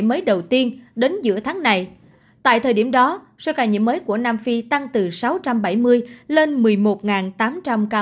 mới đầu tiên đến giữa tháng này tại thời điểm đó số ca nhiễm mới của nam phi tăng từ sáu trăm bảy mươi lên một mươi một tám trăm linh ca